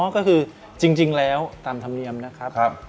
ก็คือจริงแล้วตามธรรมเนียมนะครับ